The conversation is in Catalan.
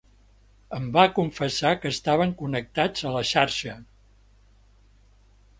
Em va confessar que estaven connectats a la xarxa.